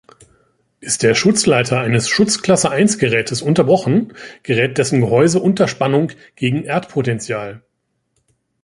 Ist der Schutzleiter eines Schutzklasse-I-Gerätes unterbrochen, gerät dessen Gehäuse unter Spannung gegen Erdpotential.